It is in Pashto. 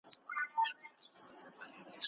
پسرلی د ژوند نوی پیغام راوړي.